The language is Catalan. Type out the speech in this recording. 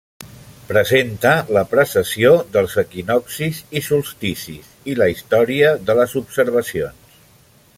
Presenta la precessió dels equinoccis i solsticis, i la història de les observacions.